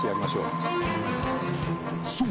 そう！